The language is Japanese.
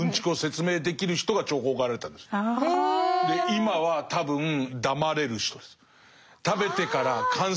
今は多分黙れる人です。ああ！